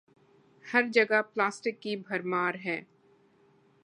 ہر جگہ پلاسٹک کی بھرمار ہے۔